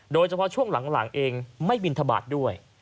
โดยเฉพาะช่วงหลังเองไม่บินทบาทด้วย